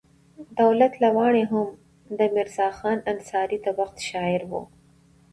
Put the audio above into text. دولت لواڼی هم د میرزا خان انصاري د وخت شاعر و.